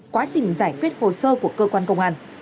quá trình giải quyết hồ sơ của cơ quan công an